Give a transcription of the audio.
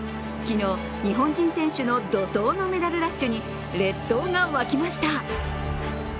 昨日、日本人選手の怒とうのメダルラッシュに列島が沸きました。